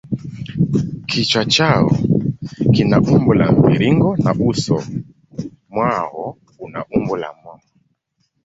Kichwa chao kina umbo la mviringo na uso mwao una umbo la moyo.